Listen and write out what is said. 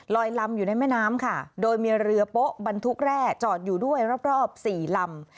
ลำอยู่ในแม่น้ำค่ะโดยมีเรือโป๊ะบรรทุกแร่จอดอยู่ด้วยรอบสี่ลำ